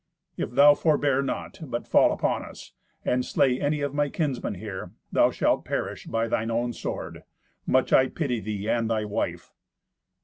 If thou forbear not, but fall upon us, and slay any of my kinsmen here, thou shalt perish by thine own sword! Much I pity thee and thy wife."